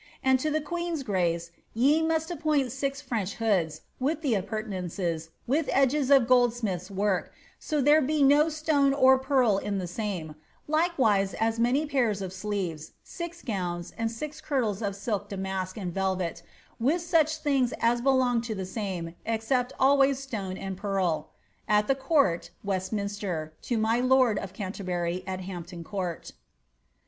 And to the queen's grace ye must appoint six French hoods, appurtenances, with edges of goldsmith's work, so there be no stone or the same ; likewise as many pair of sleeves, six gowns, and six kirtles lamask and velvet, with such things as belong to the same, except one and pearl, e court (Westminster), to my lord of Canterbury, at Hampton Court.'"